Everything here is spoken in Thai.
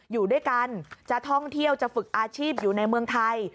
อยู่ด้วยกันจะท่องเที่ยวจะฝึกอาชีพอยู่ในเมืองไทย